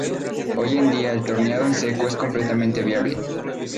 Hoy en día el torneado en seco es completamente viable.